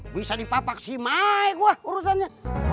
bisa dipapak si mai gua urusannya